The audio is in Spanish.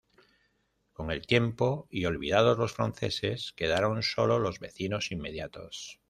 Con el tiempo, y olvidados los franceses, quedaron sólo los vecinos inmediatos.